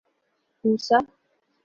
Hausa